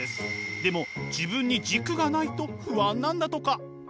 でも自分に軸がないと不安なんだとか。